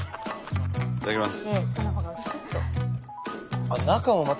いただきます。